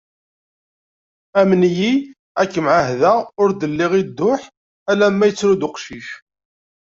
Amen-iyi, ad kem-ɛahdeɣ ur dliɣ i dduḥ alma, yettru-d uqcic.